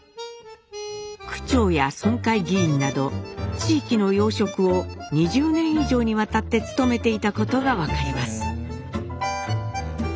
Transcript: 区長や村会議員など地域の要職を２０年以上にわたって務めていたことが分かります。